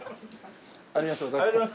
ありがとうございます。